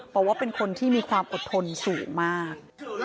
บอกว่าเป็นคนที่มีความอดทนสูงมาก